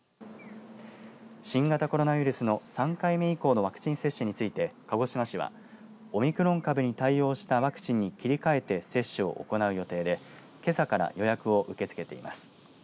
新型コロナの３回目以降のワクチン接種について鹿児島市はオミクロン株に対応したワクチンに切り替えて接種を行う予定でけさから予約を受け付けています。